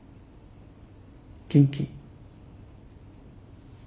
元気？